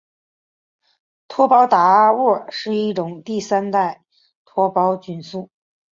头孢达肟是一种第三代头孢菌素。